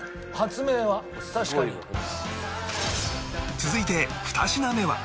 続いて２品目は